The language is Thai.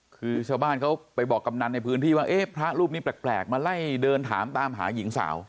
คือชาวบ้านเขาไปบอกกับนั้นในพื้นที่ว่าเอ๊ะพระก็ตองเปรียกมาไล่เดินถามหาหญิงสาว